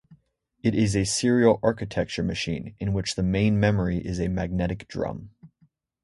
It is a serial-architecture machine, in which the main memory is a magnetic drum.